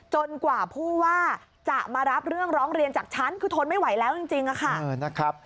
กว่าผู้ว่าจะมารับเรื่องร้องเรียนจากฉันคือทนไม่ไหวแล้วจริงค่ะ